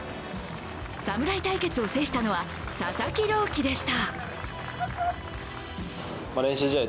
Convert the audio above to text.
侍対決を制したのは佐々木朗希でした。